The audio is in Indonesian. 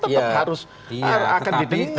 tetap harus akan ditinggal